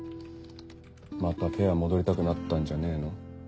またペア戻りたくなったんじゃねえの？